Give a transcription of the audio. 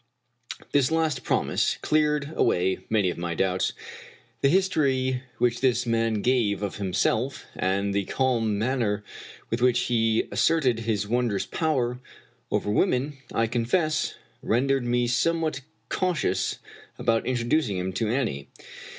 This last promise cleared away many of my doubts. The history which this man gave of himself, and the calm man ner with which he asserted his wondrous power over women, I confess, rendered me somewhat cautious about introducing him to Annie.